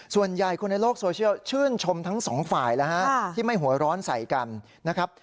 ส่วนใหญ่คนในโลกโซเชียลชื่นชมทั้งสองฝ่ายแล้วฮะที่ไม่หัวร้อนใส่กันนะครับ